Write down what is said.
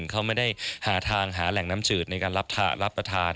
เขาไม่ได้หาทางหาแหล่งน้ำจืดในการรับประทาน